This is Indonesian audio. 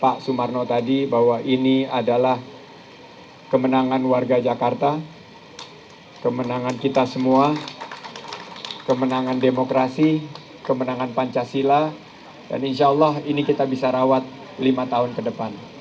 pak sumarno tadi bahwa ini adalah kemenangan warga jakarta kemenangan kita semua kemenangan demokrasi kemenangan pancasila dan insya allah ini kita bisa rawat lima tahun ke depan